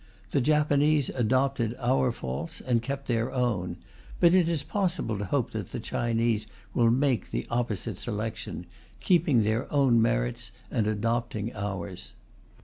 The Japanese adopted our faults and kept their own, but it is possible to hope that the Chinese will make the opposite selection, keeping their own merits and adopting ours.